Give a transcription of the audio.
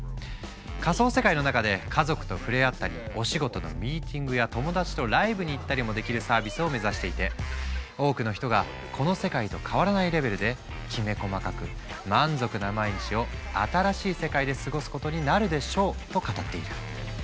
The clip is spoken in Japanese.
仮想世界の中で家族と触れ合ったりお仕事のミーティングや友達とライブに行ったりもできるサービスを目指していて多くの人がこの世界と変わらないレベルできめ細かく満足な毎日を新しい世界で過ごすことになるでしょうと語っている。